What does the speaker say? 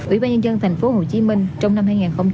ủy ban nhân dân tp hcm trong năm hai nghìn hai mươi ba